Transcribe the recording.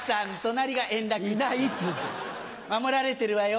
守られてるわよ。